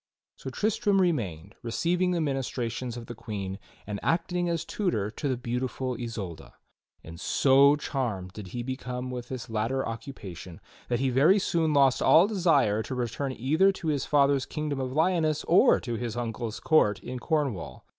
So Tristram remained, receiving the ministrations of the Queen, and acting as tutor to the beautiful Isolda; and so charmed did he become with this latter occupation that he very soon lost all desire to return either to his father's kingdom of Lyoness or to his uncle's court in Cornwall.